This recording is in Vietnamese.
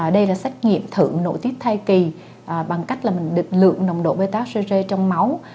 đây là xét nghiệm thử nội tiếp thai kỳ bằng cách định lượng nồng độ bê tác sơ rê trong máu